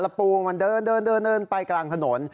แล้วปูมันเดินไปกลางถนน